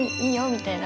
みたいな。